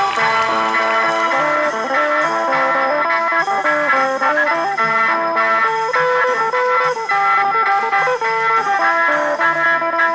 โปรดติดตามตอนต่อไป